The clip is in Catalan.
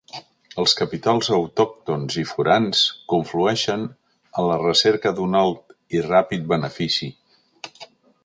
Els capitals autòctons i forans confluïxen a la recerca d'un alt i ràpid benefici.